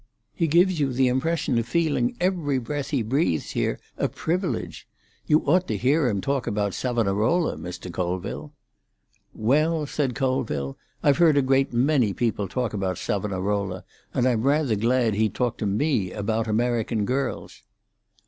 He gives you the impression of feeling every breath he breathes here a privilege. You ought to hear him talk about Savonarola, Mr. Colville." "Well," said Colville, "I've heard a great many people talk about Savonarola, and I'm rather glad he talked to me about American girls."